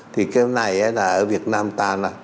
thì cái này là ở việt nam ta